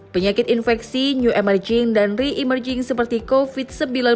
penyakit infeksi new emerging dan re emerging seperti covid sembilan belas